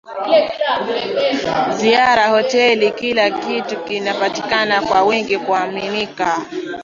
ziara hoteli kila kitu kinapatikana kwa wingi kuaminika